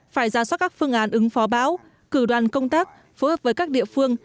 phải ra soát các phương án ứng phó bão cử đoàn công tác phối hợp với các địa phương